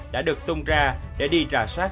đã được tung ra để đi rà soát